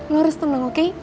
lo harus tenang oke